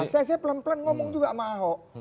saya pelan pelan ngomong juga sama ahok